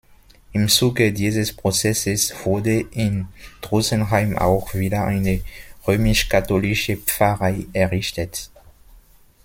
Im Zuge dieses Prozesses wurde in Drusenheim auch wieder eine römisch-katholische Pfarrei errichtet.